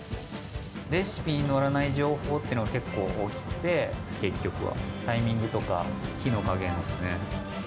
レシピに載らない情報っていうのが、結構大きくて、結局はタイミングとか、火の加減ですね。